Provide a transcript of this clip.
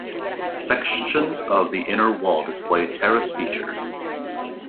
Sections of the inner wall display terrace features.